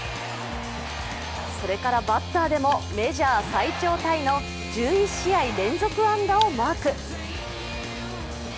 それからバッターでもメジャー最長タイの１１試合連続安打をマーク。